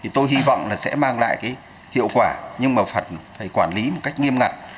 tôi hy vọng sẽ mang lại hiệu quả nhưng phật phải quản lý một cách nghiêm ngặt